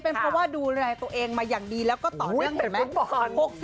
เพราะว่าดูตัวเองมาอย่างดีแล้วก็ต่อเรื่องเมาส์